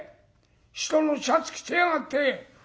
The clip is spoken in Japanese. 人のシャツ着てやがって」。